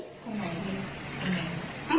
เอาพูดมาค่ะทำไม